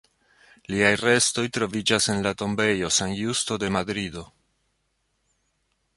Liaj restoj troviĝas en la tombejo San Justo de Madrido.